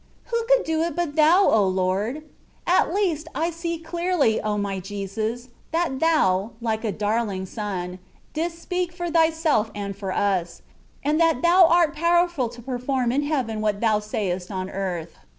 Who could do it but Thou, O Lord ? At least, I see clearly, O my Jesus ! that Thou, Uke a darling Son, didst speak for Thyself and for us, and that Thou art powerful to perform in heaven what Thou sayest on earth.